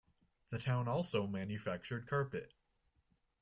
The town also manufactured carpet.